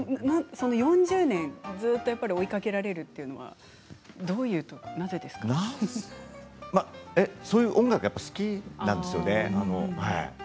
４０年ずっと追いかけられるというのはそういう音楽がやっぱり好きなんですよね。